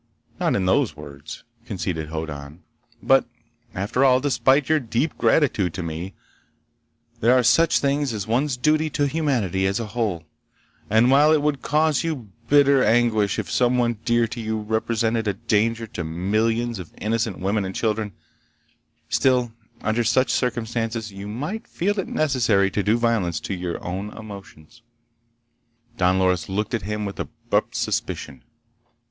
"Not in those words," conceded Hoddan. "But after all, despite your deep gratitude to me, there are such things as one's duty to humanity as a whole. And while it would cause you bitter anguish if someone dear to you represented a danger to millions of innocent women and children—still, under such circumstances you might feel it necessary to do violence to your own emotions." Don Loris looked at him with abrupt suspicion.